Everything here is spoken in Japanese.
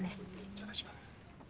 頂戴します。